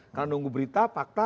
karena nunggu berita fakta